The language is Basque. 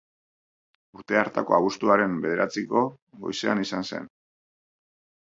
Urte hartako abuztuaren bederatziko goizean izan zen.